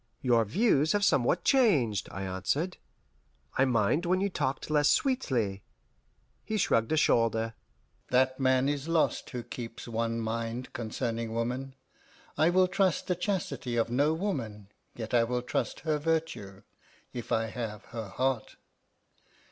"Your views have somewhat changed," I answered. "I mind when you talked less sweetly." He shrugged a shoulder. "That man is lost who keeps one mind concerning woman. I will trust the chastity of no woman, yet I will trust her virtue if I have her heart.